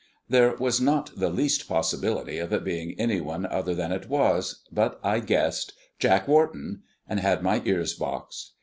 There was not the least possibility of it being any one other than it was, but I guessed "Jack Wharton," and had my ears boxed.